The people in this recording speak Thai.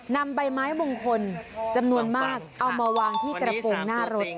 นำใบไม้มงคลจำนวนมากเอามาวางที่กระโปรงหน้ารถ